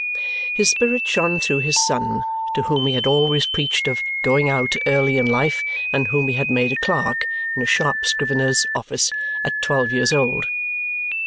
His spirit shone through his son, to whom he had always preached of "going out" early in life and whom he made a clerk in a sharp scrivener's office at twelve years old.